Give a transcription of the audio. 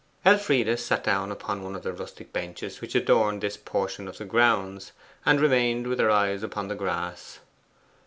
Elfride sat down upon one of the rustic benches which adorned this portion of the grounds, and remained with her eyes upon the grass.